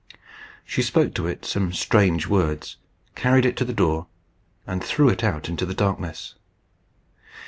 She spoke to it some strange words, carried it to the door, and threw it out into the darkness.